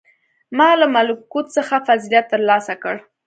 • ما له ملکوت څخه فضیلت تر لاسه کړ.